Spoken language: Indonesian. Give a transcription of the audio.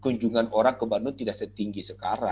kunjungan orang ke bandung tidak setinggi sekarang